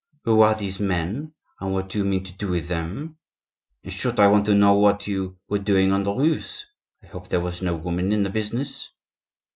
Who are these men, and what do you mean to do with them? In short, I want to know what you were doing on the roofs. I hope there was no woman in the business?"